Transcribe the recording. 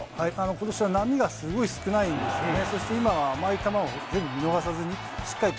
今年は波がすごい少ないんですよね。